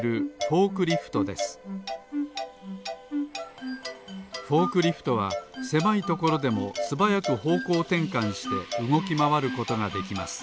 フォークリフトはせまいところでもすばやくほうこうてんかんしてうごきまわることができます